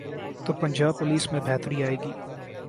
تو پنجاب پولیس میں بہتری آئے گی۔